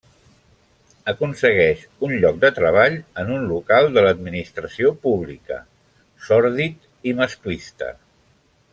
Aconsegueix un lloc de treball en un local de l'Administració pública, sòrdid i masclista.